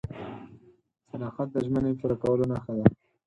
• صداقت د ژمنې پوره کولو نښه ده.